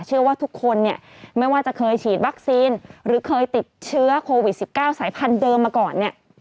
เชื่อว่าทุกคนเนี่ยไม่ว่าจะเคยฉีดวัคซีนหรือเคยติดเชื้อโควิด๑๙สายพันธุเดิมมาก่อนเนี่ย